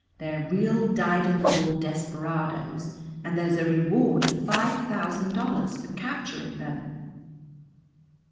They're real dyed in the wool desperadoes and there's a reward of five thousand dollars for capturing them."